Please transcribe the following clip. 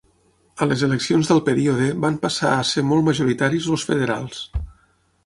A les eleccions del període van passar a ser molt majoritaris els federals.